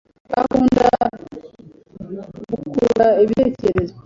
Akunda gukurura ibitekerezo.